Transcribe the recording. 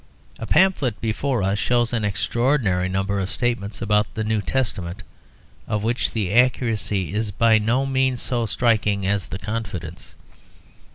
A pamphlet before us shows us an extraordinary number of statements about the new Testament, of which the accuracy is by no means so striking as the confidence.